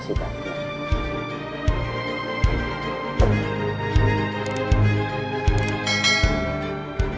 disini mereka berdua punya data